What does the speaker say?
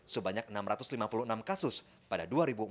sebanyak enam ratus lima puluh enam kasus pada dua ribu empat belas